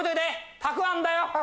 たくあんだよ。ほら。